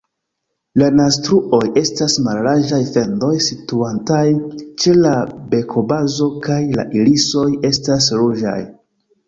La naztruoj estas mallarĝaj fendoj situantaj ĉe la bekobazo, kaj la irisoj estas ruĝaj.